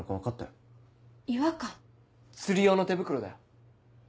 釣り用の手袋だよ。